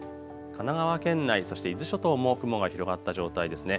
神奈川県内、そして伊豆諸島も雲が広がった状態ですね。